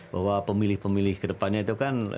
bahwa pemilih pemilih ke depannya itu kan